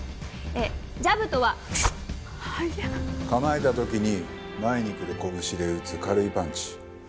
構えた時に前にくる拳で打つ軽いパンチ。